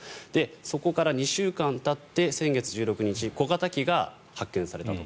そこから２週間たって先月１６日小型機が発見されたと。